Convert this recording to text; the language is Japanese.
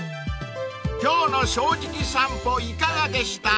［今日の『正直さんぽ』いかがでした？］